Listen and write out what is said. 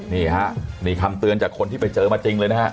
นี่ฮะนี่คำเตือนจากคนที่ไปเจอมาจริงเลยนะฮะ